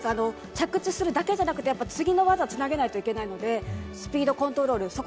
着地するだけじゃなくて次の技につなげないといけないのでスピードコントロール